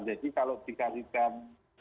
jadi kalau dikalikan